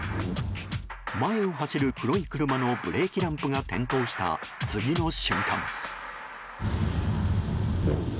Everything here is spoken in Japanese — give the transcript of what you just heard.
前を走る黒い車のブレーキランプが点灯した次の瞬間。